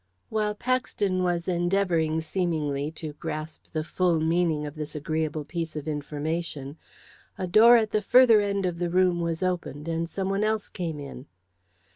While Paxton was endeavouring, seemingly, to grasp the full meaning of this agreeable piece of information, a door at the further end of the room was opened and some one else came in.